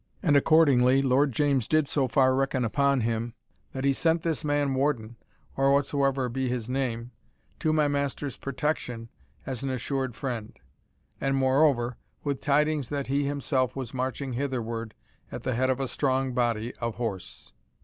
And accordingly Lord James did so far reckon upon him, that he sent this man Warden, or whatsoever be his name, to my master's protection, as an assured friend; and, moreover, with tidings that he himself was marching hitherward at the head of a strong body of horse."